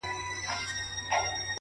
زه د ملي بیرغ په رپ ـ رپ کي اروا نڅوم-